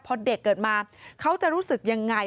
พอเด็กเกิดมาเขาจะรู้สึกยังไง